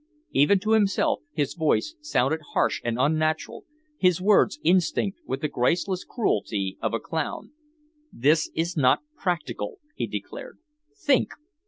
Even to himself his voice sounded harsh and unnatural, his words instinct with the graceless cruelty of a clown. "This is not practical," he declared. "Think!